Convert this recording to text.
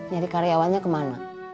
jadi karyawannya kemana